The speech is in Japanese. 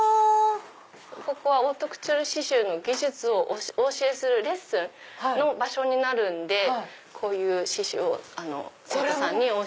ここはオートクチュール刺繍の技術をお教えするレッスンの場所になるんでこういう刺繍を生徒さんに。